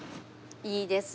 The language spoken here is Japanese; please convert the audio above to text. いいですね！